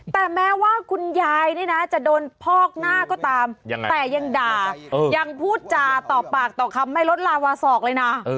แต่แม้ว่าคุณยายนี่นะจะโดนพอกหน้าก็ตามแต่ยังด่ายังพูดจาต่อปากต่อคำไม่ลดลาวาสอกเลยนะ